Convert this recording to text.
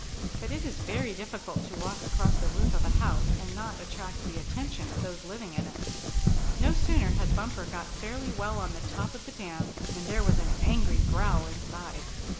But it is very difficult to walk across the roof of a house and not attract the attention of those living in it. No sooner had Bumper got fairly well on the top of the dam, than there was an angry growl inside.